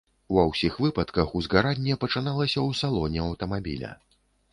Ва ўсіх выпадках узгаранне пачыналася ў салоне аўтамабіля.